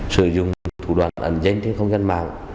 sử dụng thủ đoàn ẩn danh trên không gian mạng